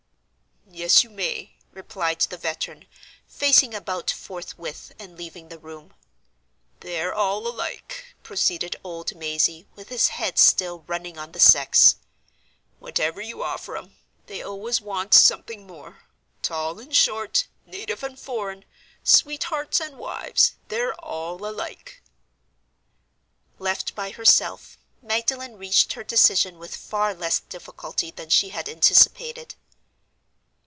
"Yes, you may," replied the veteran, facing about forthwith and leaving the room. "They're all alike," proceeded old Mazey, with his head still running on the sex. "Whatever you offer 'em, they always want something more. Tall and short, native and foreign, sweethearts and wives, they're all alike!" Left by herself, Magdalen reached her decision with far less difficulty than she had anticipated.